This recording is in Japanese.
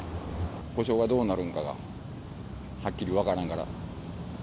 補償がどうなるんかが、はっきり分からんから。